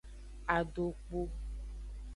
Adokpu.